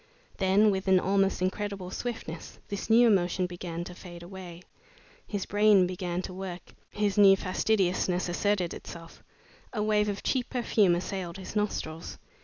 Then, with an almost incredible swiftness, this new emotion began to fade away. His brain began to work, his new fastidiousness asserted itself. A wave of cheap perfume assailed his nostrils.